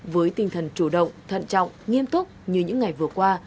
với tinh thần chủ động thận trọng nghiêm túc như những ngày vừa qua